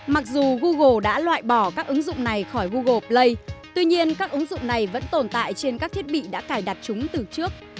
mặc dù google đã loại bỏ các ứng dụng này khỏi google play tuy nhiên các ứng dụng này vẫn tồn tại trên các thiết bị đã cài đặt chúng từ trước